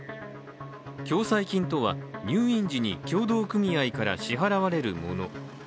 共済金とは入院時に協同組合から支払われるもの。